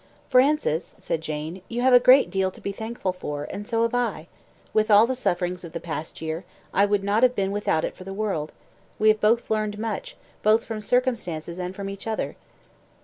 "Francis," said Jane, "you have a great deal to be thankful for, and so have I. With all the sufferings of the past year, I would not have been without it for the world. We have both learned much, both from circumstances and from each other."